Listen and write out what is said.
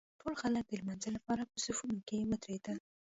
ټول خلک د لمانځه لپاره په صفونو کې ودرېدل.